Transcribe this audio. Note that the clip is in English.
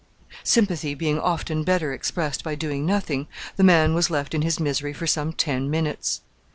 Sympathy being often better expressed by doing nothing, the man was left in his misery for some ten minutes.